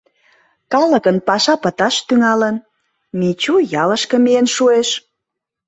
Калыкын паша пыташ тӱҥалын, Мичу ялышке миен шуэш.